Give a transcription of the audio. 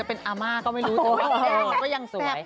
ถ้าเรายังไหว๗๐๘๐ก็จะมา